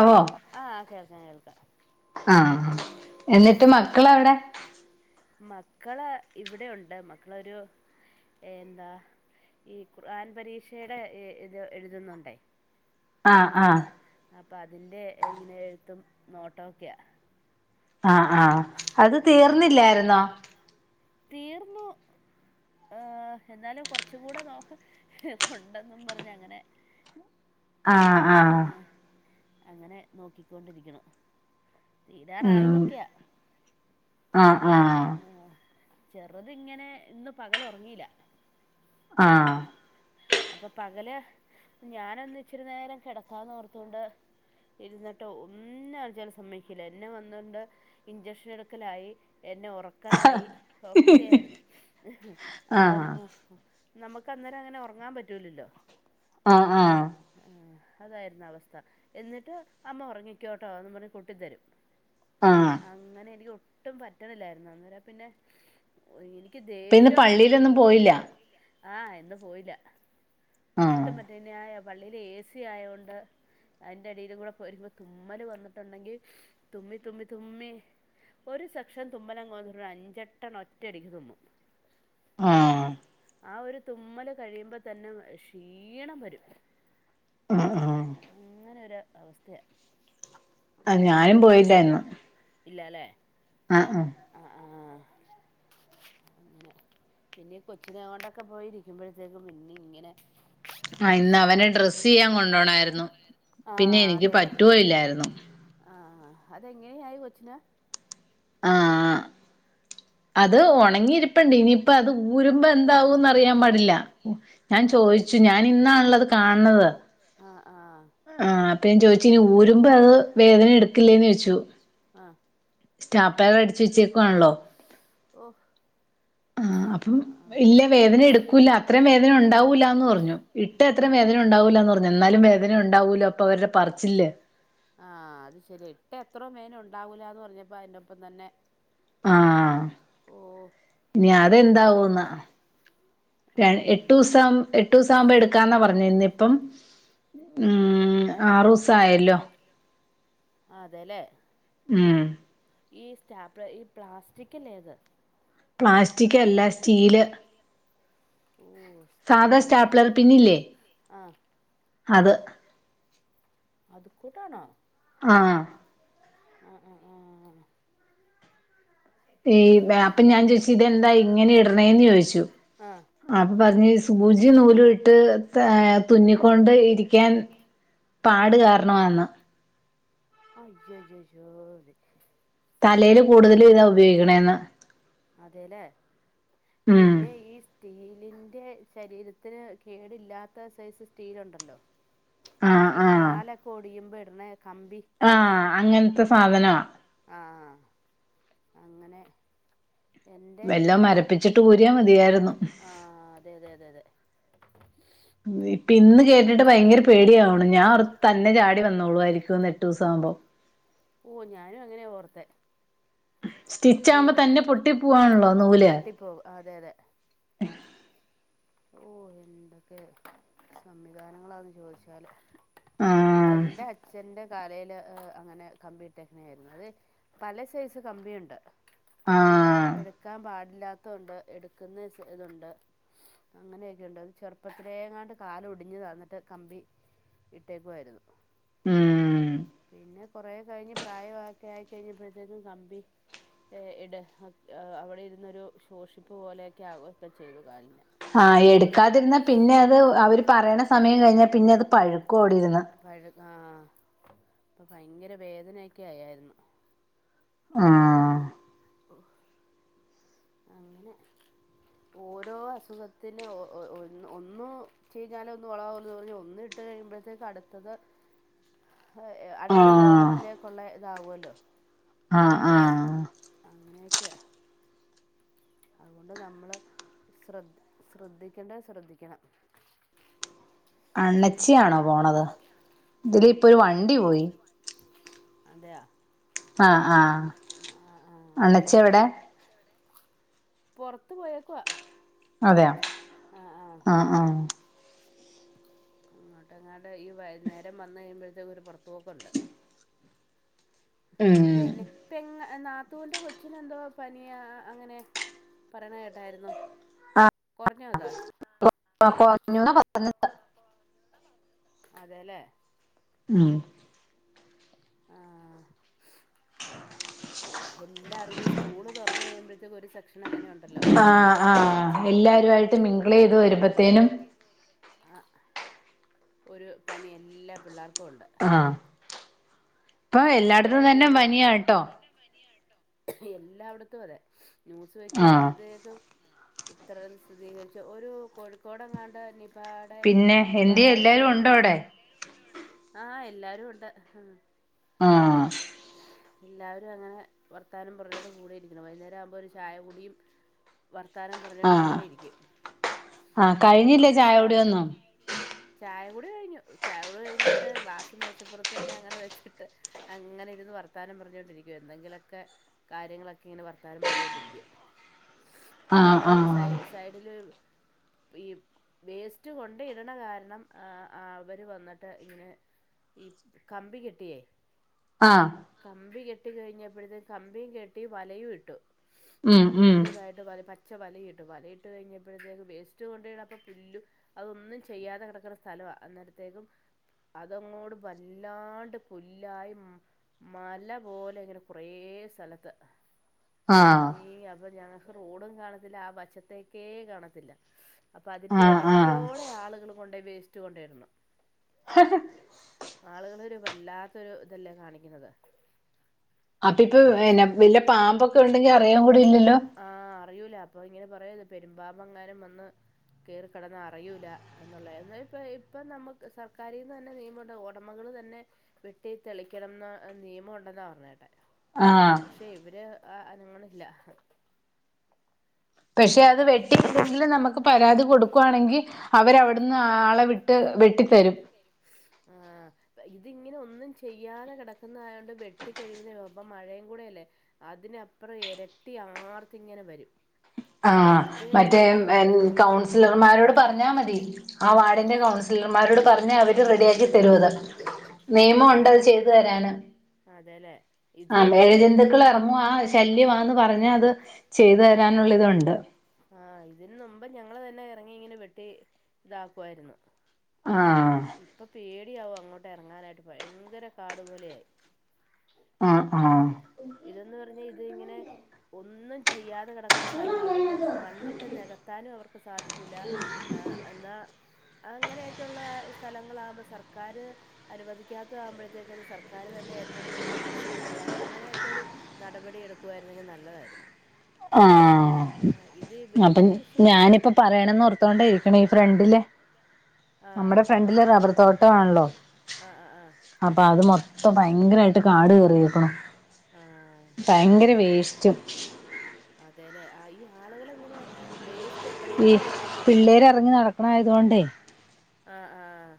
ഓ ആഹ് കേൾക്കാം കേൾക്കാം ആഹ് എന്നിട്ട് മക്കളവിടെ മക്കള് ഇവിടെയുണ്ട് മക്കളൊരു എന്താ ഈ ഖുർആൻ പരീക്ഷയുടെ ഇത് എഴുതുന്നുണ്ടേ ആഹ് ആഹ് അപ്പൊ അതിന്റെ ഇങ്ങനെ എഴുത്തും നോട്ടൊവൊക്കെയാ ആഹ് ആ അത് തീർന്നില്ലായിരുന്നോ തീർന്നു ഏഹ് എന്നാലും കൊറച്ചും കൂടെ നോക്ക് ഉണ്ടെന്നും പറഞ്ഞങ്ങനെ ആ ആ അങ്ങനെ നോക്കിക്കൊണ്ടിരിക്ണു തീരാറായതൊക്കെയാ ആഹ് ചെറുത് ഇങ്ങനെ ഇന്ന് പകലൊറങ്ങീല ആ അപ്പൊ പകല് ഞാനൊന്ന് ഇച്ചിരി നേരം കിടക്കാന്ന് ഓർത്തൊണ്ട് ഇരുന്നിട്ട് ഒന്ന് കാണിച്ചാലും സമ്മയിക്കില്ല എന്നെ വന്നൊണ്ട് ഇഞ്ചക്ഷൻ എടുക്കലായി എന്നെ ഉറക്കലായി ഒക്കൊയാരുന്നു അപ്പം നമുക്ക് അന്നേരം അങ്ങനെ ഉറങ്ങാൻ പറ്റൂലല്ലോ ആ ആ അതായിരുന്നു അവസ്ഥ എന്നിട്ട് അമ്മ ഉറങ്ങിക്കോട്ടോ എന്ന് പറഞ്ഞു കൊട്ടിത്തരും അങ്ങനെ എനിക്ക് ഒട്ടും പറ്റണില്ലായിരുന്നു അന്നേരം പിന്നെ എനി അപ്പൊ ഇന്ന് പള്ളിയിലൊന്നും പോയില്ല ആ ഇന്ന് പോയില്ല ഒട്ടും പറ്റ്ണില്ല പള്ളിയില് ഏ സി ആയൊണ്ട് അയിൻ്റെ അടിയിലും കൂടെ പോയിരുന്ന് തുമ്മല് വന്നിട്ടുണ്ടെങ്കി തുമ്മി തുമ്മി തുമ്മി ഒരു സെക്ഷൻ തുമ്മലങ്ങോട്ട് ഒരു അഞ്ചെട്ടണ്ണം ഒറ്റടിക്ക് തുമ്മും ആ ആ ഒരു തുമ്മല് കഴിയുമ്പോ തന്നെ ക്ഷീണം വരും അങ്ങനൊരു അവസ്ഥയാ ആ ഞാനും പോയില്ലായിന്നു ഇല്ലല്ലേ ആ ആ [inaudible] അങ്ങനെ കൊച്ചിനെ കൊണ്ടൊക്കെ പോയിരിക്കുമ്പോഴത്തേക്ക് പിന്നെ ഇങ്ങനെ ആ ഇന്ന് അവന് ഡ്രസ്സ് ചെയ്യാൻ കൊണ്ടോണായിരുന്നു പിന്നെ എനിക്ക് പറ്റുല്ലായിരുന്നു അതെങ്ങനെയായി കൊച്ചിന് ആ അത് ഉണങ്ങിരിപ്പിണ്ട് ഇനിയിപ്പ അത് ഊരുമ്പോ എന്താവുംന്ന് അറിയാൻ പാടില്ല ഞാൻ ചോദിച്ചു ഞാൻ ഇന്നാണല്ലോ അത് കാണത്. ആ അപ്പൊ ഞാൻ ചോയിച്ചു ഇനി ഊരുമ്പോ അത് വേദന എടുക്കില്ലേന്ന് ചോച്ചു. സ്റ്റാപ്ലെയറ് അടിച്ചു വെച്ചേക്കുവാണല്ലോ ഓ ആ അപ്പം ഇല്ല വേദന എടുക്കൂല്ല അത്രേം വേദന ഉണ്ടാവുല്ലാന്ന് പറഞ്ഞു ഇട്ട് അത്ര വേദന ഉണ്ടാവൂല്ല പറഞ്ഞു ന്നാലും വേദന ഉണ്ടാവൂലോ അപ്പൊ അവരുടെ പറിച്ചില് ആ അത് ശരി എട്ട് എത്രോ ണ്ടാവൂല്ലാന്ന് പറഞ്ഞപ്പ അയിന്റൊപ്പം തന്നെ ആ ഇനി അതെന്താവോന്നാ എട്ടുസം എട്ടുസാവുമ്പ എടുക്കാന്നാ പറഞ്ഞെന്നിപ്പം ഉം ആറുസം ആയല്ലോ അതെല്ലേ ഉം ഈ സ്റ്റാപ്ലെ ഈ പ്ലാസ്റ്റിക്കില്ലെ അത് പ്ലാസ്റ്റിക്കല്ല സ്റ്റീല് സാധാ സ്റ്റാപ്ലയർ പിന്നില്ലേ അത് അത്കൂട്ടാണോ ആഹ അആ ആ ഈ അപ്പൊ ഞാൻ ചോയ്ച്ച് ഇതെന്താ ഇങ്ങനെ ഇടണേന്ന് ചോദിച്ചു അപ്പൊ പറഞ്ഞു സൂചിയും നൂലും ട്ട് ഏ തുന്നിക്കൊണ്ട് ഇരിക്കാൻ പാട് കാരണമാന്ന് എന്ന് അയ്യയ്യയ്യാ രി തലയില് കൂടുതലും ഇതാ ഉപയോഗിക്കെണെന്ന് അതേല്ലേ പിന്നെ ഈ സ്റ്റീലിന്റെ ശരീരത്തിന് കേടില്ലാത്ത സൈസ് സ്റ്റീല് ഉണ്ടല്ലോ ഈ കാലൊക്കെ ഒടിയുമ്പോ ഇടണെ ആഹ അങ്ങനത്തെ സാധനമാ ആഹ അങ്ങനെ വെല്ലം മരപ്പിച്ചിട്ട് ഊരിയാ മതിയായിരുന്നു ഇപ്പി ഇന്ന് കേട്ടിട്ട് ഭയങ്കര പേടിയാവ്ണ് ഞാൻ അർ തന്നെ ചാടി വന്നോളായിരിക്കുംന്ന് എട്ടൂസാ വുമ്പോ [inaudible] ഓ ഞാനും അങ്ങനെ ഓർത്തെ സ്റ്റിച്ച് ആവുമ്പോ തന്നെ പൊ പൊട്ടി പോവാണല്ലോ നൂല് ഓ എന്തൊക്കെ സംവിധാനങ്ങളാന്ന് ചോദിച്ചാല് എന്റെ അച്ഛന്റെ കാലേൽ ഏ അങ്ങനെ കമ്പി ഇട്ടേക്ക്ണായിരുന്നു അത് പല സൈസ് കമ്പിയുണ്ട് ക എടുക്കാൻ പാടില്ലാത്തൊണ്ട് എടുക്കുന്ന ഇതുണ്ട് അങ്ങനെയൊക്കെ ഉണ്ട് ചെറുപ്പത്തിലേങ്ങാണ്ട് കാല് ഒടിഞ്ഞതാ ന്നിട്ട് കമ്പി ഉം കുറേ കഴിഞ്ഞ് പ്രായം ആയി ഒക്കെ ആയിക്കഴിഞ്ഞപ്പോഴത്തേക്കും കമ്പി ഏ ഇട് അ അവിടെ ഇരുന്നൊരു ശോഷിപ്പ് പോലെയൊക്കെ ആകു ഒക്കെ ചെയ്തു കാലിന് ആ എടുക്കാതിരുന്ന പിന്നെ അത് അവര് പറയണ സമയം കഴിഞ്ഞാ പിന്നെ അത് പഴുക്കും അവിടിരിന്ന് ആ അപ്പം ഭയങ്കര വേദനയൊക്കെ ആയായിരുന്നു ആ ഓഹ് അങ്ങനെ ഓരോ അസുഖത്തിന് ഒ ഒ ഒന്നു ചീഞ്ഞാല് ഒന്ന് വളാവും പറഞ്ഞാ ഒന്നിട്ട് കഴിയുമ്പോഴത്തേക്ക് അടുത്തത് ഹ് അടുത്ത രോഗത്തിലേക്കുള്ള ഇതാവൊല്ലോ ആ ആ അങ്ങനീക്കാ അതുകൊണ്ട് നമ്മള് ശ്രദ്ധ ശ്രദ്ധിക്കെണ്ടെ ശ്രദ്ധിക്കണം അണ്ണച്ചി ആണോ പോണത് ഇതില് ഇപ്പൊ ഒരു വണ്ടി പോയി അതെയാ ആ ആ അണ്ണച്ചി എവിടെ പൊറത്തു പോയേക്കുവാ അതെയ ആ ആ അങ്ങോട്ടോഇങ്ങോട്ടോ ഈ വൈകുന്നേരം വന്നു കഴിയുമ്പോഴത്തേക്ക് ഒരു പുറത്തു പോക്കുണ്ട് പിന്നെ പെങ്ങ് നാത്തൂന്റെ കൊച്ചിനെന്തോ പനിയാ അങ്ങനെ പറയണ കേട്ടായിരുന്നോ അ അ കുറഞ്ഞുന്നാ അതേല്ലേ ഉം എല്ലാരുമെ സ്കൂള് തുറന്ന് കഴിയുമ്പഴത്തേക്കും ഒരു സെക്ഷനെ അങ്ങനെ ഉണ്ട് ആഹ് ആഹ് എല്ലാരുമായിട്ട് മിംഗിള് ചെയ്തു വരുമ്പോത്തേനും ഒരു പനി എല്ലാ പിള്ളേർക്കും ആ ഇപ്പൊ എല്ലായിടത്തും തന്നെ പനിയാട്ടോ എല്ലാവിടത്തും അതെ ന്യൂസ് വെച്ച് കഴിയുമ്പോഴത്തേക്കും ഇത്ര സ്ഥിരീകരിച്ച ഒരു കോഴിക്കോട് എങ്ങാണ്ട് ഇപ്പടെ നിപ ബാധിച്ചു കിടക്കണേ ആഹ് എല്ലാരും ഉണ്ട് ആ ആ എല്ലാവരും അങ്ങനെ വർത്താനം പറഞ്ഞോണ്ട് കൂടിയിരിക്കണം വൈകുന്നേരം ആവുമ്പോൾ ഒരു ചായ കുടിയും വർ വർത്താനം പറഞ്ഞിട്ട അങ്ങനെയിരിക്കും ഒരു രസമാണ് ചായ കൂടി കഴിഞ്ഞു ചായ കൂടി കഴിഞ്ഞിട്ട് ഗ്ലാസ് മേശപ്പുറത്ത് തന്നെ അങ്ങനെ വെച്ചിട്ട് അങ്ങനെ വർത്താനം പറഞ്ഞൊണ്ടിരിക്കോ എന്തെങ്കിലൊക്കെ കാര്യങ്ങളൊക്കെ ഇങ്ങനെ വർത്താനം പറഞ്ഞോണ്ടിരിക്കും ഞങ്ങളെ സൈ സൈഡില് ഈ വേസ്റ്റ് കൊണ്ട് ഇടണ കാരണം ആ അവര് വന്നിട്ട് ഇങ്ങനെ ഈ കമ്പി കെട്ടിയേ കമ്പി കെട്ടി കഴിഞ്ഞപ്പോഴത്തെേക്ക് കമ്പിയും കെട്ടി വലയും കിട്ടു വല്യതായിട്ട് പറയും പച്ച വലയിട്ടും വലയിട്ട് കഴിഞ്ഞപ്പോഴത്തേക്ക് വേസ്റ്റ് കൊണ്ട്ട്ട അപ്പോ പുല്ലും അതൊന്നും ചെയ്യാതെ കിക്കുന്ന സ്ഥലം അന്നരത്തേക്കും അതങ്ങോട് വല്ലാണ്ട് പുല്ലായി മല പോലെ ഇങ്ങനെ കൊറ സ്ഥലത്ത് നീ അപ്പ ഞങ്ങ റോഡും കാണത്തില്ല ആ വശത്തേക്കേ കാണത്തില്ല അപ്പൾ അതിൻ്റെ ഇടയ്ക്കോടെ ആളുകൾ കൊണ്ടയി വേസ്റ്റ് കൊണ്ടേ വണം ആളുകൾ വല്ലാത്തൊരു ഇതല്ലേ കാണിക്ക [inaudible] അപ്പ ഇപ്പൊ പിന്നെ വല പാമ്പൊക്കെ ഉണ്ടെങ്കി അറിയാൻ കൂടി ഇല്ലല്ലോ അപ്പൊ ഇങ്ങനെ പറയത് പെരുമ്പാമ്പങ്ങാനും വന്ന് കയറി കിടന്ന അറിയൂല്ല എന്നുള്ളത് എന്ന ഇപ്പ ഇപ്പ നമ്മുക്ക് സർക്കാരിൽന്ന് തന്നെ നിയമം ഉ ണ്ട് ഉടമകൾ തന്നെ വെട്ടി തെളിക്കണം നിയമം ഉണ്ടെന്ന പറഞ്ഞ് കേട്ടെ പക്ഷെ ഇവര് ആ അനങ്ങില്ല പക്ഷെ അത് വെട്ടിയില്ലെങ്കിൽ നമുക്ക് പരാതി കൊടുക്കുവാണെങ്കിൽ അവരവിടുന്ന് ആളെ വിട്ട് വെട്ടി ആഹ ഇതിങ്ങനെ ഒന്നും ചെയ്യാതെ കിടക്കുന്നതയൊണ്ട് വെട്ടിക്കഴ്മ്പതേ അപ്പ മഴയും കൂടെയല്ലേ അതിനപ്പ അ ഇരട്ടി ആർത്തിങ്ങനെ വരും ആ മറ്റേ കൗൺസിലർമാരോട് പറഞ്ഞാ മതി ആ വാർഡിന്റെ കൗൺസിലർമാരോട് പറഞ്ഞ അവര് റെഡിയ ആക്കി തരുവത് നിയമം ഉണ്ട് അത് ചെയ്തു തരാന് ആ ഇഴ ജന്തുക്കൾ ഇറങ്ങു ആ ശല്യമാന്ന് പറഞ്ഞ അന്നെ അത് ചെയ്തു തരാനുള്ള ഇതു ഉണ്ട് ആഹ് ഇതിന് മുമ്പ് ഞങ്ങള് തന്നെ ഇറങ്ങി ഇങ്ങനെ വെട്ടി ഇതാക്കുവായിരുന്നു ആഹ പേടിയാവും അങ്ങോട്ട് ഇറങ്ങാനായിട്ട് ഭയങ്കര കാടു പോലെ ആായി ആ ആഹ ഇതന്ന് പറഞ്ഞാൽ ഇത് ഇങ്ങനെ ഒന്നും ചെയ്യാതെ കിടക്കുന്ന സ്ഥലല്ലേ ഇപ്പം മണ്ണിട്ട് നികത്താനും അവർക്ക് സാധിക്കൂല്ല ആ എന്നാ അങ്ങനെയൊക്കെയള്ള സ്ഥലങ്ങളാകുമ്പോൾ സർക്കാർ അനുവദിക്കാത്ത ആകുമ്പഴത്തേക്ക് അത് സർക്കാർ തന്നെ ഏറ്റെടുത്ത് വലിയ കൃഷി ചെയ്യാനും അങ്ങനെയൊക്കെ ഒരു നടപടി എടുക്കുവായിരുന്നെങ്കിൽ നല്ലതായിരുന്നു ആഹ അപ്പൊ ഞാനിപ്പ പറയണന്ന് ഓർത്തോൊണ്ട ഇരിക്കണ ഈ ഫ്രണ്ടില്െ നമ്മുടെ ഫ്രണ്ടില് റബർ തോട്ടമാണല്ലോ അപ്പൊ അത് മൊ ഇപ്പൊ ഭയങ്കരയിട്ട് കാട് കേറിക്കണ ഭയങ്കര വേസ്റ്റും അതെല്ലെ ആ ഈ ആളുകൾ എങ്ങനെയാസ് ഈ പിള്ളേര് ഇറങ്ങി നടക്കണായത കൊണ്ടേ ആഹ ആഹ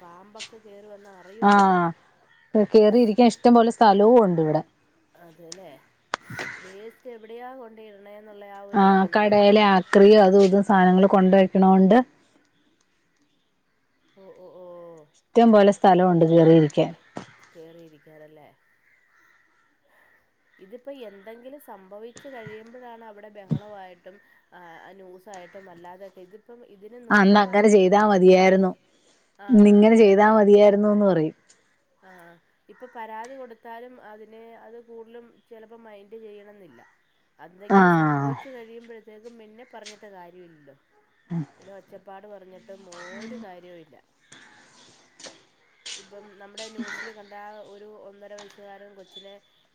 പാമ്പൊക്കെ കേയറ വന്നാ അറിയൂല്ലല്ലോ കേറിയിരിക്കാൻ ഇഷ്ടംപലെ സ്ഥലവും ഉണ്ട് ഇവിടെ ബേസ് എവിടൊ കൊണ്ടരണേ ആ കടയിലെ ആക്രിോ അതും ഇതും സാധനങ്ങൾ കൊണ്ട വയ്ക്കണോണ്ട് ഓ ഓ ഓ ഏറ്റവും പോലെ സ്ഥലമുണ്ട് ചെറിരിക്കും കേറിയിരിക്കാറല്ലേ ഇതിപ്പോ എന്തെങ്കിലും സംഭവിച്ചു കഴിയുമ്പോഴാണ് അവിടെ ബഹളമായിട്ടും ആ ന്യൂസ് ആയിട്ടും അല്ലാതെ കെ ഇത് ആ അന്ന് അങ്ങനെ ചെയ്താ മതിയായിരുന്നു ഇങ്ങനെ ചെയ്താ മതിയായിരുന്നുന്ന് പറയും ആഹ ഇപ്പൊ പരാതി കൊടുത്താലും അതിനെ അത് കൂടുതലും ചിലപ്പോ മൈൻഡ് ചെയ്യണം എന്നില്ല എന്തെങ്കിലും സംഭവിച്ചു കഴിയുമ്പോഴത്തേക്കും പിന്നെ പറഞ്ഞിട്ട കാര്യമല്ലോ പിന്നെ ഒച്ച പാട് പറഞ്ഞിട്ടും ഒരു കാര്യവും ഇല്ല ഇപ്പം നമ്മുടെ ന്യൂസിൽ കണ്ട ആ ഒരു ഒന്നര വയസ്സുകാരൻ കൊച്ചിനെ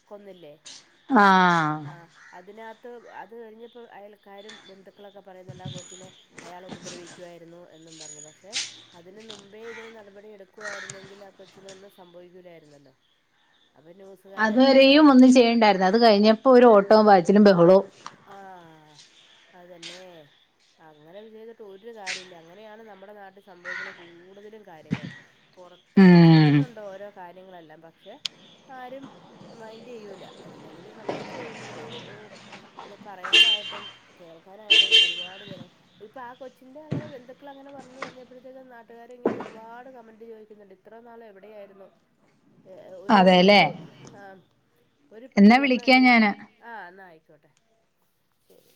കൊന്നില്ലേ ആഹ് അതിനത്ത് അത് കഴിഞ്ഞപ്പോ അയൽക്കാരും ബന്ധു ക്കളൊക്കെ പറയുന്നുണ്ട് ആ കൊച്ചിനെ അയാൾ ഉപദ്രവിക്കുവായിരുന്നു എന്നും പറഞ്ഞ് പക്ഷെ അതിന് മുമ്പേ ഇതിന് നടപടി എടുക്കുവാരുന്നെങ്കില് ആ കൊച്ചിനൊന്നും സംഭവിക്കില്ലായിരുന്നല്ലോ അതുവരെയും ഒന്നും ചെയ്യണ്ടായിരുന്നു അത് കഴിഞ്ഞപ്പോ ഒരു ഓട്ടവും പായിച്ചിലും ബഹളവും അത് തന്നേ അങ്ങനെ ഒന്നും ചെയ്തിട്ട് ഒരു കാര്യം ഇല്ല അങ്ങനെയാണ് നമ്മുടെ നാട്ടിൽ സംഭവിക്കുന്ന കൂടുതലും കാര്യങ്ങളും പുറ ത്തൊക്കെ അറിയുന്നുണ്ട് ഓരോ കാര്യങ്ങളെല്ലാം പക്ഷെ ആരും മൈന്റ് ചെയ്യൂല എന്തെങ്കിലും സംഭവിച്ചു കഴിയുമ്പോഴത്തേക്ക് ഓ പിന്നെ പറയാനായിട്ടും കേൾക്കാനായിട്ടും ഒരുപാട് പേരും ഇതിപ്പോ ആ കൊച്ചിന്റെ അങ്ങനെ ബന്ധുക്കൾ അങ്ങ നെ പറഞ്ഞെന്ന് പറഞ്ഞപ്പോഴത്തേക്കും നാട്ടുകാര് ഇങ്ങനെ ഒരുപാട് കമന്റ് ചോദിക്കുന്നുണ്ട് ഇത്രോം നാളും എവിടെയായിരുന്നു ഒരു ഒരു ആ ഒരു പ്രതികരണം എങ്കിലും ആ എന്നാ ആയി ക്കോട്ടേ ശരി